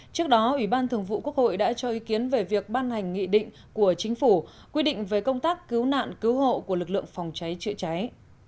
trước đó ủy ban thường vụ quốc hội đã cho ý kiến về việc ban hành nghị định của chính phủ quy định về công tác cứu nạn cứu hộ của lực lượng phòng cháy chữa cháy